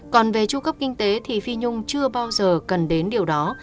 còn về tru cấp kinh tế thì phi nhung chưa bao giờ cần đến điều đó